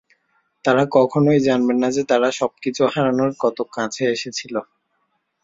তারা কখনই জানবে না যে তারা সবকিছু হারানোর কত কাছে এসেছিল।